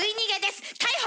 逮捕！